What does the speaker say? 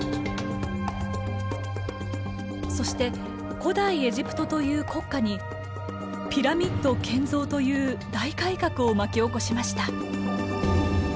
そして古代エジプトという国家にピラミッド建造という大改革を巻き起こしました。